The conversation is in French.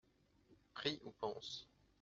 Prie ou pense.